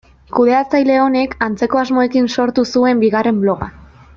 Kudeatzaile honek antzeko asmoekin sortu zuen bigarren bloga.